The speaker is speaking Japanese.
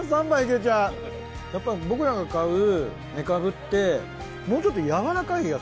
やっぱり僕らが買うめかぶってもうちょっと柔らかい。